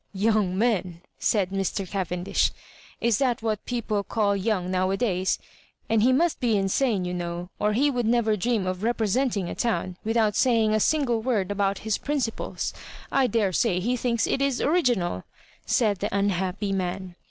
" Young men I " said Mr. Cavendish. " Is that what people call young nowadays ? And he must be insane, you know, or be would never dream of representing a town without say ing a single word about his principles. I dare say he thinks it is original," said the unhappy man.